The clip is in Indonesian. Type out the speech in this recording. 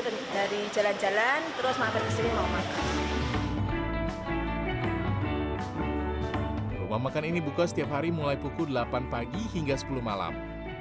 rumah makan ini buka setiap hari mulai pukul delapan pagi hingga sepuluh malam